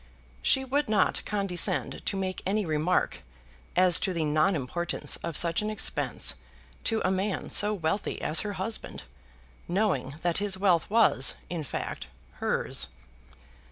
She would not condescend to make any remark as to the non importance of such expense to a man so wealthy as her husband, knowing that his wealth was, in fact, hers.